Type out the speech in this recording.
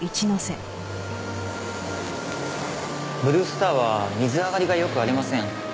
ブルースターは水上がりが良くありません。